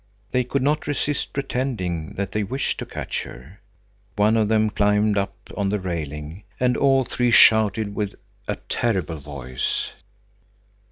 They could not resist pretending that they wished to catch her. One of them climbed up on the railing, and all three shouted with a terrible voice.